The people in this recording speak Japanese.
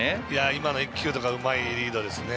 今の１球うまいリードです。